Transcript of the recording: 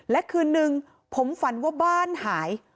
และคืนนึงผมฝันว่าบ้านหาย